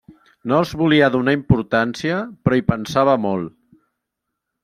No els volia donar importància, però hi pensava molt.